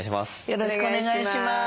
よろしくお願いします。